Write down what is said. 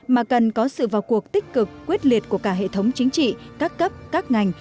mà cần có sự vào cuộc tích cực quyết liệt của cả hệ thống chính trị các cấp các ngành